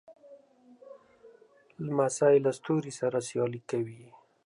لمسی له ستوري سره سیالي کوي.